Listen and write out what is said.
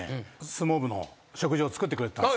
相撲部の食事を作ってくれてた。